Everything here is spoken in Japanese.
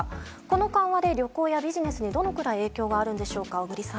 この緩和で、旅行やビジネスにどのくらい影響があるんでしょうか。